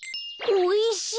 おいしい！